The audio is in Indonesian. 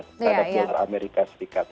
terhadap dolar amerika serikat